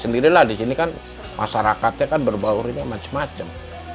di sini kan masyarakatnya kan berbaurinnya macam macam